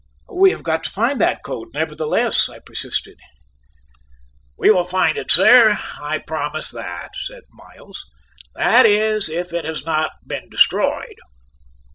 "We have got to find that coat, nevertheless," I persisted. "We will find it, sir; I'll promise that," said Miles; "that is, if it has not been destroyed."